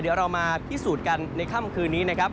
เดี๋ยวเรามาพิสูจน์กันในค่ำคืนนี้นะครับ